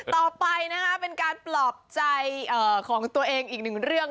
ต่อไปนะคะเป็นการปลอบใจของตัวเองอีกหนึ่งเรื่อง